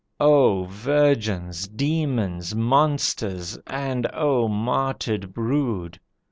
O virgins, demons, monsters, and O martyred brood!